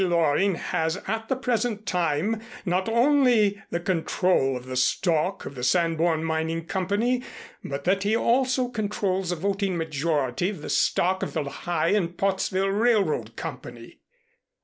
Loring has at the present time not only the control of the stock of the Sanborn Mining Company, but that he also controls a voting majority of the stock of the Lehigh and Pottsville Railroad Company."